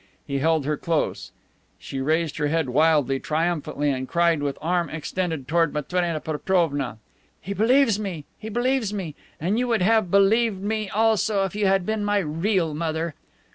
He held her close. She raised her head wildly, triumphantly, and cried, with arm extended toward Matrena Petrovna: "He believes me! He believes me! And you would have believed me also if you had been my real mother."